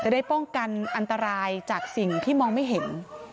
ได้ป้องกันอันตรายจากสิ่งที่มองไม่เห็น